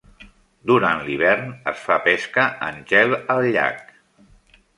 Durant l"hivern, es fa pesca en gel al llac.